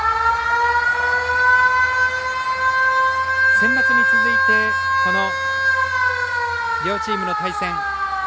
センバツに続いてこの両チームの対戦。